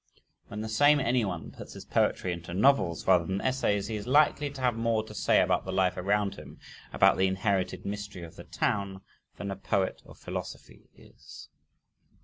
When the same anyone puts his poetry into novels rather than essays, he is likely to have more to say about the life around him about the inherited mystery of the town than a poet of philosophy is.